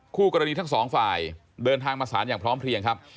คู่กรณีทั้งสองฝ่ายเดินทางมาสารอย่างพร้อมเพลียงครับ